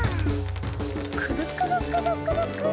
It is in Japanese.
くるくるくるくるくる。